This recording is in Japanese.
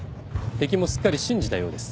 敵もすっかり信じたようです。